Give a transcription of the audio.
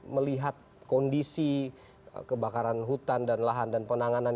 melihat kondisi kebakaran hutan dan lahan dan penanganan